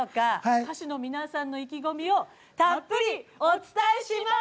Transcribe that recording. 歌手の皆さんの意気込みをたっぷりお伝えします！